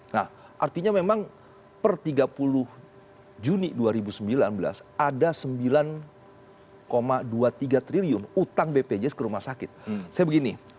nah artinya memang per tiga puluh juni dua ribu sembilan belas